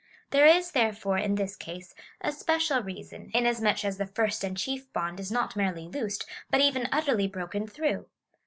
There is, therefore, in this case a special reason, inasmuch as the first and chief bond is not merely loosed, but even utterly broken through.